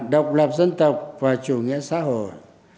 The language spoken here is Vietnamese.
độc lập dân tộc và chủ nghĩa xã hội